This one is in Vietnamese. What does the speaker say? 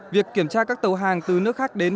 việc kiểm tra các tàu hàng từ nước khác đến